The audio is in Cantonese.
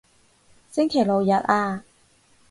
星期六日啊